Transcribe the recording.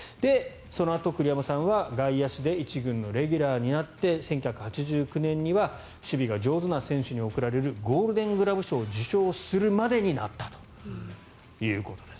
そのあと、栗山さんは外野手で１軍のレギュラーになって１９８９年には守備が上手な選手に贈られるゴールデングラブ賞を受賞するまでになったということです。